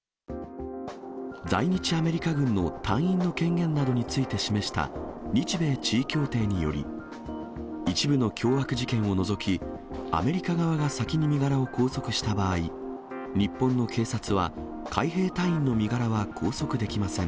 在日アメリカ軍の隊員の権限などについて示した日米地位協定により、一部の凶悪事件を除き、アメリカ側が先に身柄を拘束した場合、日本の警察は、海兵隊員の身柄は拘束できません。